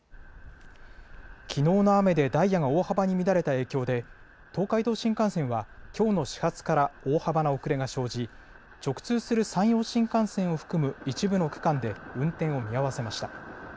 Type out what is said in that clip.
きのうの雨でダイヤが大幅に乱れた影響で東海道新幹線はきょうの始発から大幅な遅れが生じ、直通する山陽新幹線を含む一部の区間で運転を見合わせました。